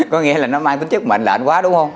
có nghĩa là nó mang tính chất mạnh lạnh quá đúng không